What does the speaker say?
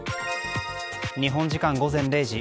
日本時間午前０時。